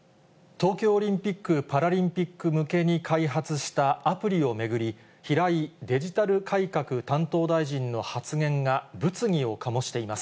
東京オリンピック・パラリンピック向けに開発したアプリを巡り、平井デジタル改革担当大臣の発言が物議を醸しています。